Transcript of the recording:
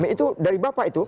itu dari bapak itu